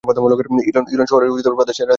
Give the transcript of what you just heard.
ইলম শহর প্রদেশের রাজধানী।